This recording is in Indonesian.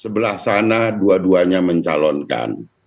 sebelah sana dua duanya mencalonkan